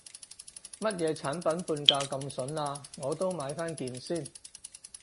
乜嘢產品半價咁筍啊，我都買返件先